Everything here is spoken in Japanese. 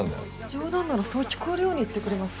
冗談ならそう聞こえるように言ってくれます？